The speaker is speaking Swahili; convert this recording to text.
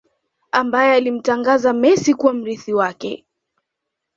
Ambaye alimtangaza Messi kuwa mrithi wake